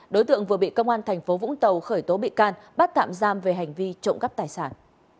đối tượng vừa bị công an tp vũng tàu khởi tố bị can bắt tạm giam về hành vi trộm cấp tài sản